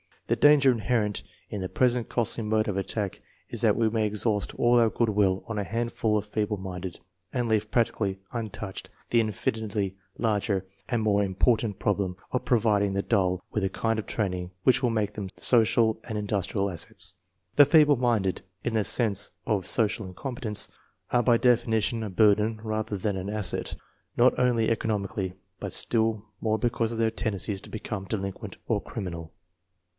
The danger inhe rent in the present costly mode of attack is that we may exhaust all our good will on a handful of feeble minded, and leave practically untouched the infinitely larger and more important problem of providing the dull with a kind of training which will make them so cial and industrial assets. The feeble minded, in the sense of social incompetents, are by definition a bur den rather than an asset, not only economically but still more because of their tendencies to become delin quent or criminal.